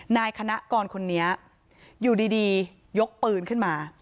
นายคณะกรคนนี้อยู่ดียกปืนขึ้นมา